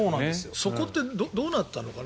そこってどうなったのかね。